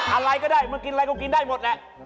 อะไรก็ได้มากินอะไรก็กินได้หมดแหละ